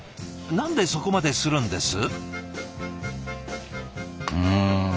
なんでそこまでするんです？